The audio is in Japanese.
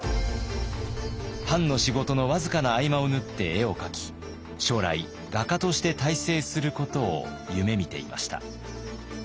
藩の仕事の僅かな合間を縫って絵を描き将来画家として大成することを夢みていました。